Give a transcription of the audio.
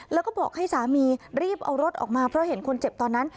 แล้วก็บอกให้สามีรีบเอารถออกมาเพราะเห็นคนเจ็บตอนนั้น